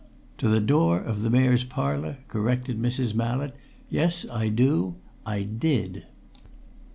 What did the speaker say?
"To the door of the Mayor's Parlour," corrected Mrs. Mallett. "Yes. I do. I did!"